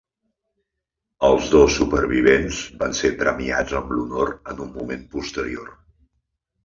Els dos supervivents van ser premiats amb l'honor en un moment posterior.